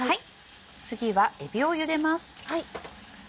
次はえびを茹でます。